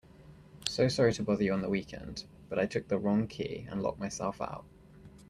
So sorry to bother you on the weekend, but I took the wrong key and locked myself out.